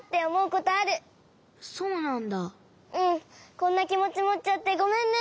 こんなきもちもっちゃってごめんね。